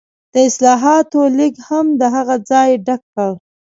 د اصلاحاتو لیګ هم د هغه ځای ډک کړ.